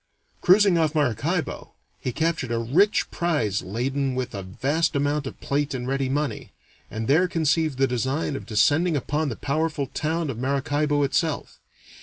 Cruising off Maracaibo, he captured a rich prize laden with a vast amount of plate and ready money, and there conceived the design of descending upon the powerful town of Maracaibo itself.